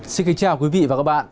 xin kính chào quý vị và các bạn